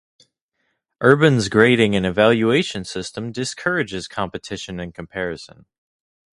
Urban's grading and evaluation system discourages competition and comparison.